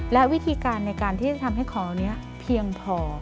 และวิธีการในการที่จะทำให้ของเหล่านี้เพียงพอ